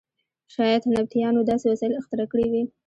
شاید نبطیانو داسې وسایل اختراع کړي وي.